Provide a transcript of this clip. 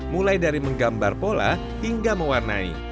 mulai dari menggambar pola hingga mewarnai